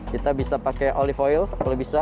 kita bisa pakai olive oil kalau bisa